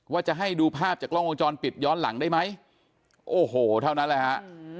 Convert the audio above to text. ว่าจะให้ดูภาพจากกล้องวงจรปิดย้อนหลังได้ไหมโอ้โหเท่านั้นแหละฮะ